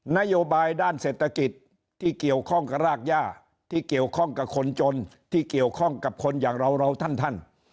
นโยบายด้านเศรษฐกิจที่เกี่ยวข้องกับรากย่าที่เกี่ยวข้องกับคนจนที่เกี่ยวข้องกับคนอย่างเราเราท่าน